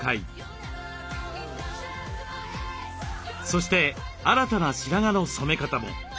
そして新たな白髪の染め方も。